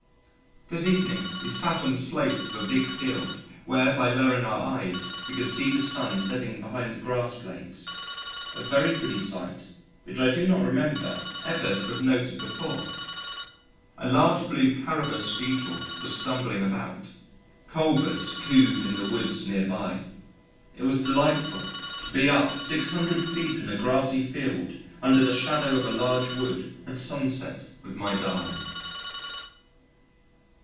This evening we sat on the slope of a big field where by lowering our eyes we could see the sun setting behind the grass blades a very pretty sight which I do not remember ever to have noted before. A large blue Carabus beetle was stumbling about, Culvers cooed in the woods near by. It was delightful to be up 600 feet on a grassy field under the shadow of a large wood at sunset with my darling.